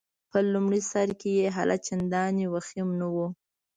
په لمړي سر کي يې حالت چنداني وخیم نه وو.